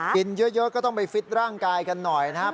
กินเยอะก็ต้องไปฟิตร่างกายกันหน่อยนะครับ